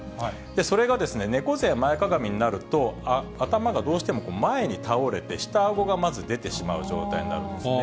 それが猫背や前かがみになると、頭がどうしても前に倒れて、下あごがまず出てしまう状態になるんですね。